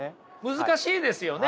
難しいですよね？